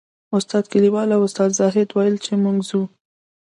استاد کلیوال او استاد زاهد ویل چې موږ ځو.